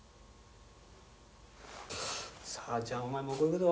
さあじゃあお前向こう行くぞ。